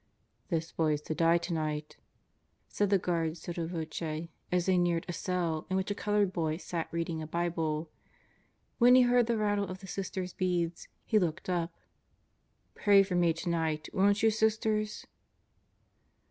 "This boy is to die tonight," said the guard sotto voce as they neared a cell in which a colored boy sat reading a Bible. When he heard the rattle of the Sisters' beads he looked up. "Pray for me tonight, won't you, Sisters?"